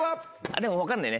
でも分かんないね。